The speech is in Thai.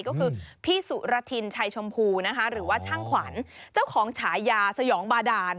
ก็คือพี่สุรทินชัยชมพูนะคะหรือว่าช่างขวัญเจ้าของฉายาสยองบาดาน